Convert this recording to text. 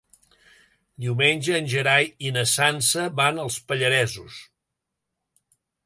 Diumenge en Gerai i na Sança van als Pallaresos.